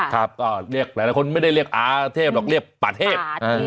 ครับก็เรียกหลายคนไม่ได้เรียกอาเทพหรอกเรียกป่าเทพ